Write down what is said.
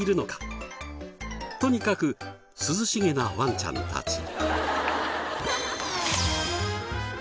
とにかく涼しげなワンちゃんたち。